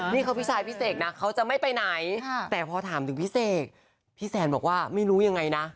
นี่เขาพี่ชายพี่เสกนะเขาจะไม่ไปไหนแต่พอถามถึงพี่เสกพี่แซนบอกว่าไม่รู้ยังไงนะ